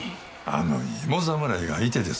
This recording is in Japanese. あの芋侍が相手です。